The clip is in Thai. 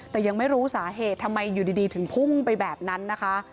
แต่ยังไม่รู้สาเหตุทำไมอยู่ดีถึงพุ่งไปแบบนั้นนะคะ